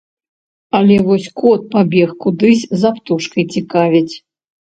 Але вось кот пабег кудысь за птушкай цікаваць.